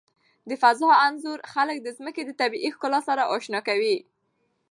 د فضا انځور خلک د ځمکې د طبیعي ښکلا سره آشنا کوي.